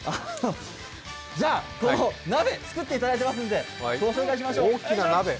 この鍋、作っていただいていますのでご紹介しましょう。